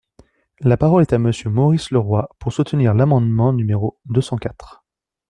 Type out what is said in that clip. La parole est à Monsieur Maurice Leroy, pour soutenir l’amendement numéro deux cent quatre.